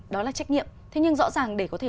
đó là trách nhiệm thế nhưng rõ ràng để có thể